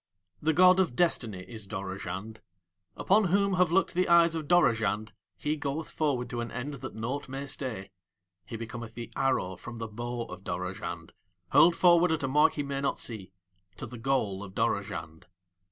The god of Destiny is Dorozhand. Upon whom have looked the eyes of Dorozhand he goeth forward to an end that naught may stay; he becometh the arrow from the bow of Dorozhand hurled forward at a mark he may not see to the goal of Dorozhand.